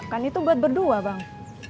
kan itu buat berdua bang